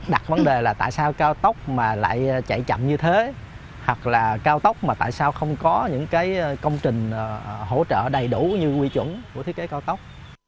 đặt vấn đề là tại sao cao tốc mà lại chạy chậm như thế hoặc là cao tốc mà tại sao không có những công trình hỗ trợ đầy đủ như quy chuẩn của thiết kế cao tốc